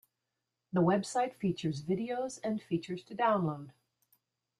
The website features videos and features to download.